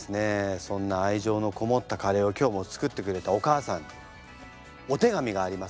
そんな愛情のこもったカレーを今日も作ってくれたお母さんからお手紙がありますのでぼくが読んでみますね。